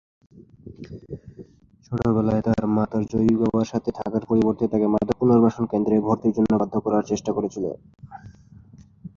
ছোটবেলায় তার মা তার জৈবিক বাবার সাথে থাকার পরিবর্তে তাকে মাদক পুনর্বাসন কেন্দ্রে ভর্তির জন্য বাধ্য করার চেষ্টা করেছিল।